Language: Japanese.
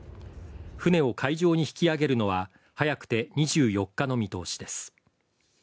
船を海上に引き揚げるのは、早くて２４日の見通しです。